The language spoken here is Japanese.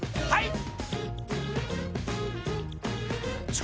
はい！